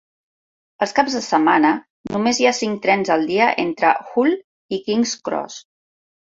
Els caps de setmana, només hi ha cinc trens al dia entre Hull i King's Cross.